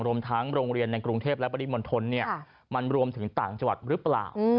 รวมทั้งโรงเรียนในกรุงเทพและปริมณฑลมันรวมถึงต่างจังหวัดหรือเปล่า